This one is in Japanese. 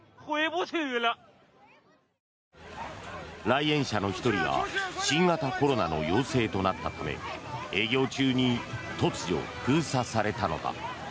来園者の１人が新型コロナの陽性となったため営業中に突如封鎖されたのだ。